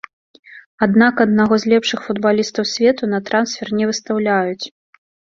Аднак аднаго з лепшых футбалістаў свету на трансфер не выстаўляюць.